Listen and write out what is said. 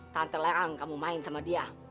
tante lerang kamu main sama dia